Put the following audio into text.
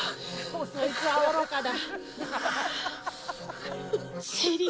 そいつは愚かだ。